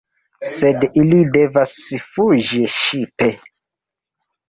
Sed ili devas fuĝi ŝipe.